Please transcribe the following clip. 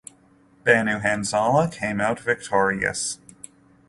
Banu Hanzala came out victorious.